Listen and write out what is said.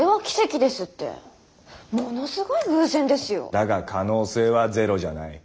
だが可能性はゼロじゃない。